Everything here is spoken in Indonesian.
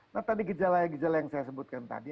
nah tadi gejala gejala yang saya sebutkan tadi